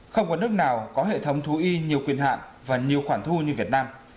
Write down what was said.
không có nước nào có hệ thống thú y nhiều quyền hạn và nhiều khoản thu như việt nam